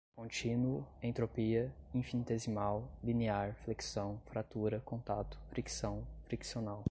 Contínuo, entropia, infinitesimal, linear, flexão, fratura, contato, fricção, friccional